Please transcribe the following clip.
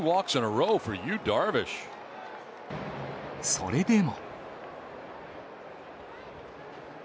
それでも。